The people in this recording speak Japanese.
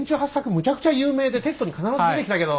むちゃくちゃ有名でテストに必ず出てきたけど。